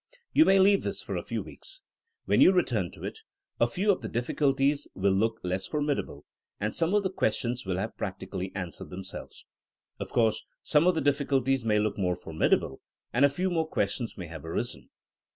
You may leave this for a few weeks. When you return to it a few of the difficulties will look less formidable, and some of the ques tions wiU have practically answered themselves. (Of course some of the difficulties may look more formidable, and a few new questions may have arisen.)